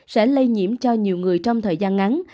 sẽ lây nhiễm cho nhiều người trong thời gian ngắn